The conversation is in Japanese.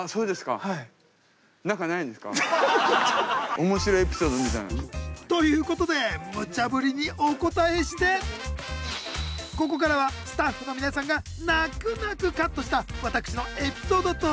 おもしろエピソードみたいな。ということでムチャブリにお応えしてここからはスタッフの皆さんが泣く泣くカットした私のエピソードトーク